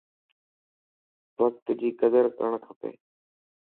وقت جي قدر ڪرڻ کپ